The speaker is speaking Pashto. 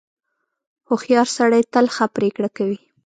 • هوښیار سړی تل ښه پرېکړه کوي.